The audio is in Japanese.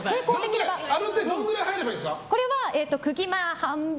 これどれぐらい入ればいいんですか？